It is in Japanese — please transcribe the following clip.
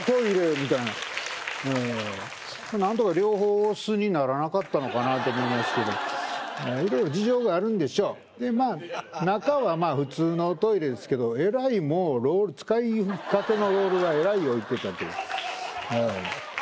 みたいな何とか両方「押す」にならなかったのかなと思いますけど色々事情があるんでしょうでまあ中はまあ普通のトイレですけどえらいもうロール使いかけのロールがえらい置いてたっていうええ